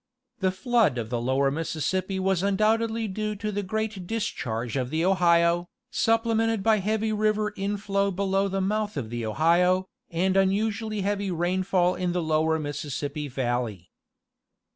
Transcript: The flood of the lower Mississippi was undoubtedly due to the great discharge of the Ohio, supple mented by heavy river inflow below the mouth of the Ohio, and the unusually heavy rainfall in the lower Mississippi valley.